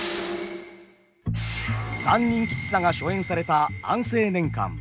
「三人吉三」が初演された安政年間。